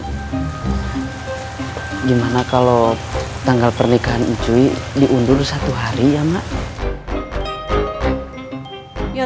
mak gimana kalau tanggal pernikahan cuy diundur satu hari ya mak gimana kalo tanggal pernikahan cuy di undur satu hari ya mak